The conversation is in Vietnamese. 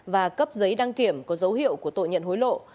và cấp giấy đăng kiểm có dấu hiệu của tội nhận hối lộ